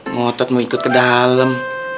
ngotot mau ikut ke dalam